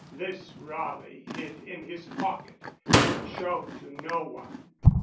This Raleigh hid in his pocket and showed to no one.